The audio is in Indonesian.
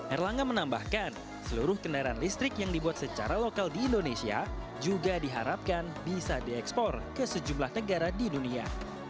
erlangga menambahkan seluruh kendaraan listrik yang dibuat secara lokal di indonesia juga diharapkan bisa diekspor ke sejumlah negara di dunia